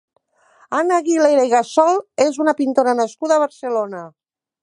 Anna Aguilera i Gassol és una pintora nascuda a Barcelona.